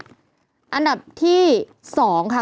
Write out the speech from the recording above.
อันดับที่๒ค่ะ